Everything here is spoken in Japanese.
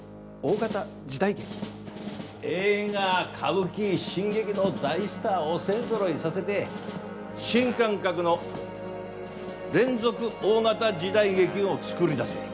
映画、歌舞伎新劇の大スターを勢ぞろいさせて新感覚の連続大型時代劇を作り出せ。